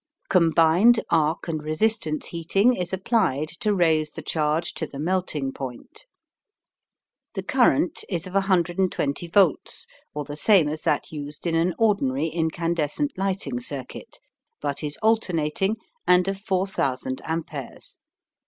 Combined arc and resistance heating is applied to raise the charge to the melting point. The current is of 120 volts or the same as that used in an ordinary incandescent lighting circuit, but is alternating and of 4,000 amperes.